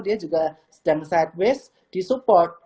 dia juga sedang sideways di support